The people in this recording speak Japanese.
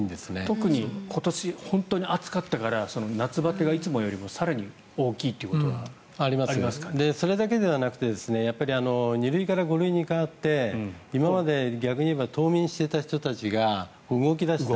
特に今年本当に暑かったから夏バテがいつもよりも更に大きいということはそれだけでなく２類から５類に変わって今まで冬眠していた人たちが動き出した。